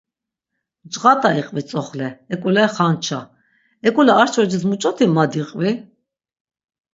Cğat̆a iqvi tzoxle, ek̆ule xanç̌a, ek̆ule arşvacis muç̌oti ma diqvi?